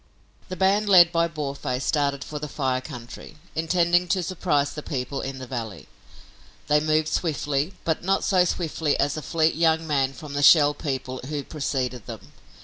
The band led by Boarface started for the Fire Country, intending to surprise the people in the valley. They moved swiftly, but not so swiftly as a fleet young man from the Shell People who preceded them.